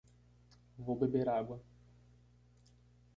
Vou beber água.